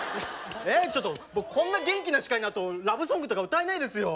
ちょっと僕こんな元気な司会のあとラブソングとか歌えないですよ。